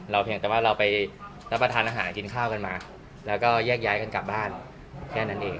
เพียงแต่ว่าเราไปรับประทานอาหารกินข้าวกันมาแล้วก็แยกย้ายกันกลับบ้านแค่นั้นเอง